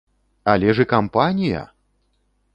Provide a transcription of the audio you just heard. Але ж і кампанія!